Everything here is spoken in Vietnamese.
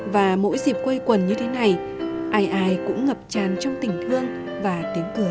và mỗi dịp quây quần như thế này ai ai cũng ngập tràn trong tình thương và tiếng cười